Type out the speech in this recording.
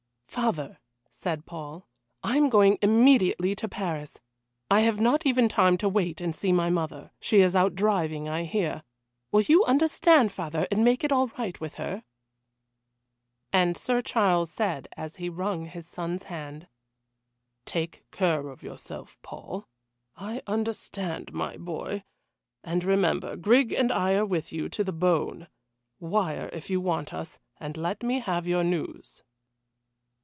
"Father," said Paul, "I am going immediately to Paris. I have not even time to wait and see my mother she is out driving, I hear. Will you understand, father, and make it all right with her?" And Sir Charles said, as he wrung his son's hand: "Take care of yourself, Paul I understand, my boy and remember, Grig and I are with you to the bone. Wire if you want us and let me have your news."